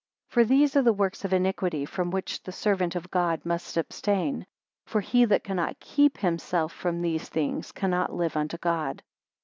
4 For these are the works of iniquity, from which the servant of God must abstain. For he that cannot keep himself from these things, cannot live unto God.